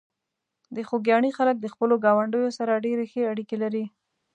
د خوږیاڼي خلک د خپلو ګاونډیو سره ډېرې ښې اړیکې لري.